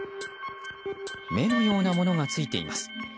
目のようなものが付いています。